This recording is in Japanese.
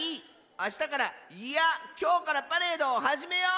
あしたからいやきょうからパレードをはじめよう！